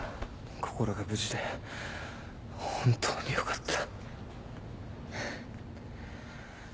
こころが無事で本当によかった。